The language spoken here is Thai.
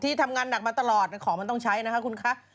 ทำงานหนักมาตลอดของมันต้องใช้นะคะคุณคะ